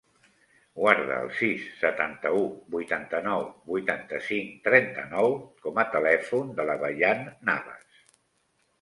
Guarda el sis, setanta-u, vuitanta-nou, vuitanta-cinc, trenta-nou com a telèfon de la Bayan Navas.